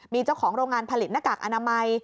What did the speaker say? มีเจ้าของโรงงานผลิตหน้ากากอนามัย